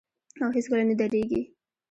او هیڅکله نه دریږي.